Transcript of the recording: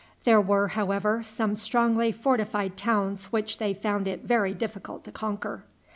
There were, however, some strongly fortified towns which they found it very difficult to conquer.